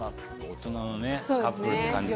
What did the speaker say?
大人のカップルって感じ。